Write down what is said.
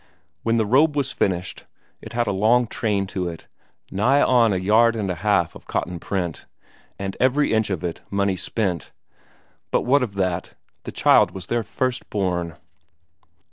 When the robe was finished, it had a long train to it, nigh on a yard and a half of cotton print, and every inch of it money spent; but what of that the child was their first born.